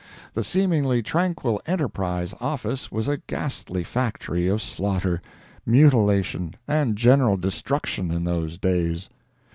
The seemingly tranquil ENTERPRISE office was a ghastly factory of slaughter, mutilation and general destruction in those days.